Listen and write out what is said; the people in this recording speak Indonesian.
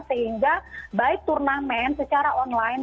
sehingga baik turnamen secara online